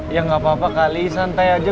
ya nggak apa apa kali santai aja